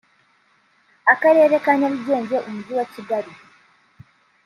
Akarere ka Nyarugenge Umujyi wa Kigali